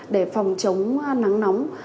để phòng chống nắng nóng